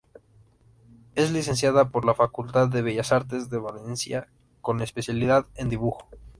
Es licenciada por la facultad de Bellas Artes de Valencia con especialidad en dibujo.